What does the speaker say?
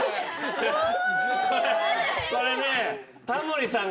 これね。